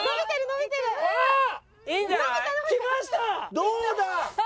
どうだ？